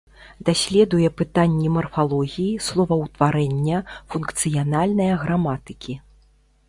Даследуе пытанні марфалогіі, словаўтварэння, функцыянальная граматыкі.